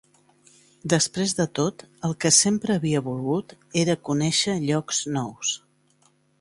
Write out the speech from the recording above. Després de tot, el que sempre havia volgut era conèixer llos nous.